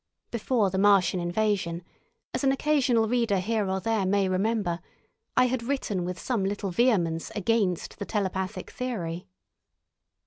Before the Martian invasion, as an occasional reader here or there may remember, I had written with some little vehemence against the telepathic theory.